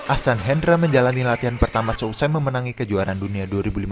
ahsan hendra menjalani latihan pertama seusai memenangi kejuaraan dunia dua ribu lima belas